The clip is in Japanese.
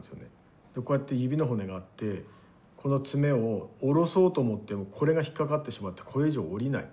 こうやって指の骨があってこの爪を下ろそうと思ってもこれが引っ掛かってしまってこれ以上下りない。